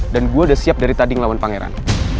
dan gue udah siap dari tadi ngelawan pangeran